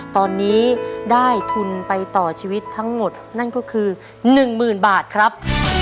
ตอนนี้ได้ทุนไปต่อชีวิตทั้งหมดนั่นก็คือ๑๐๐๐บาทครับ